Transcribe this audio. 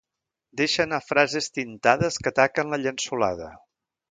Deixa anar frases tintades que taquen la llençolada.